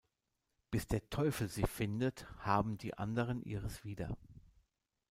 Bis der Teufel sie findet, haben die anderen ihres wieder.